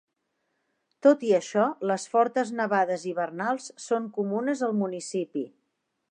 Tot i això, les fortes nevades hivernals són comunes al municipi.